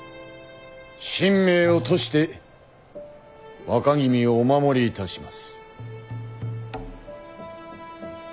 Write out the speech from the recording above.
身命を賭して若君をお守りいたします。